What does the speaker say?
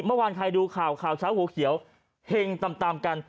เมื่อวานใครดูข่าวข่าวเช้าหัวเขียวเห็งตามกัน